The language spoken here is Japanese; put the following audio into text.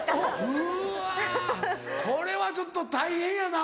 うわこれはちょっと大変やな。